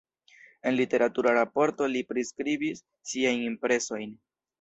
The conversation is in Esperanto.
En literatura raporto li priskribis siajn impresojn.